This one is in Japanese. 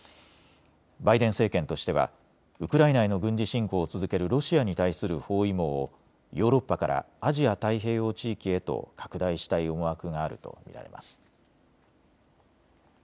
バイデン政権としてはウクライナへの軍事侵攻を続けるロシアに対する包囲網をヨーロッパからアジア太平洋地域へと拡大したい思惑があると見られます。